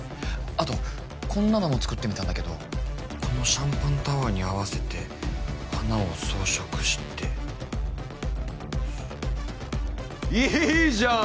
あとこんなのも作ってみたんだけどこのシャンパンタワーに合わせて花を装飾していいじゃん！